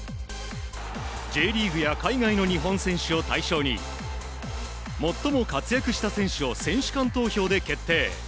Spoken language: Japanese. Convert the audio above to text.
Ｊリーグや海外の日本選手を対象に最も活躍した選手を選手間投票で決定。